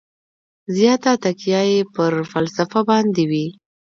زیاته تکیه یې پر فلسفه باندې وي.